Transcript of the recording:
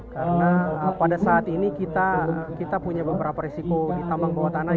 karena pada saat ini kita punya beberapa risiko di tambang bawah tanah